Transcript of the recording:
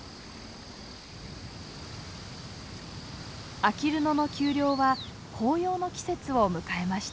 あきる野の丘陵は紅葉の季節を迎えました。